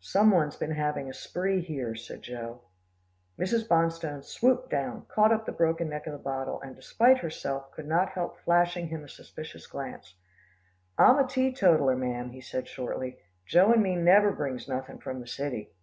"Some one's been having a spree here," said Joe. Mrs. Bonstone swooped down, caught up the broken neck of the bottle, and despite herself, could not help flashing him a suspicious glance. "I'm a teetotaller, ma'am," he said shortly. "Joe and me never brings nothin' from the city."